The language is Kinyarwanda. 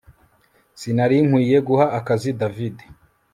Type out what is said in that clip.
Sinari nkwiye guha akazi David